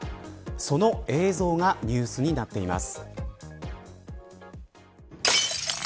その映像がニュースになっています。